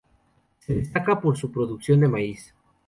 Se destaca por su producción de maíz.